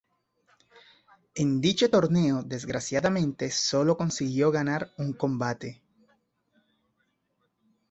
En dicho torneo desgraciadamente solo consiguió ganar un combate.